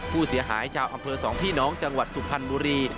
ผู้เสียหายเจ้าอำเตอร์สองพี่น้องจังหวัดสุพันธ์บุรี